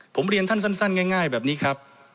ผมเรียนท่านสั้นง่ายแบบนี้ครับ